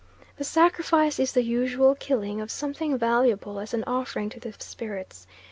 The sacrifice is the usual killing of something valuable as an offering to the spirits.